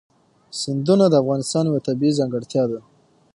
سیندونه د افغانستان یوه طبیعي ځانګړتیا ده.